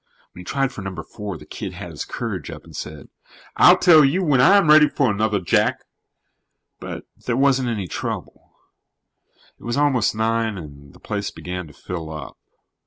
When he tried for number four, the kid had his courage up and said, "I'll tell you when I'm ready for another, Jack." But there wasn't any trouble. It was almost nine and the place began to fill up.